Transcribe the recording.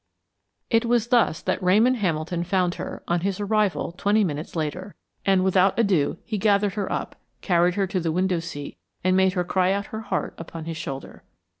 It was thus that Ramon Hamilton found her, on his arrival twenty minutes later, and without ado, he gathered her up, carried her to the window seat, and made her cry out her heart upon his shoulder.